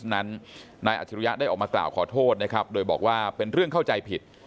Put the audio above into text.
นั้นนายอัจฉริยะได้ออกมากล่าวขอโทษนะครับโดยบอกว่าเป็นเรื่องเข้าใจผิด